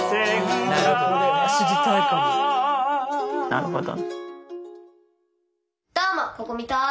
なるほど。